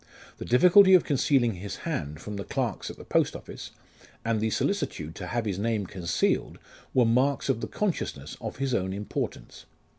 The difficulty of concealing his hand ' from the clerks at the post office, and the solicitude to have his name concealed, were marks of the consciousness of his own importance.